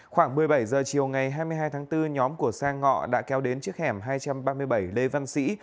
khoảng một mươi bảy h chiều ngày hai mươi hai tháng bốn nhóm của sang ngọ đã kéo đến chiếc hẻm hai trăm ba mươi bảy lê văn sĩ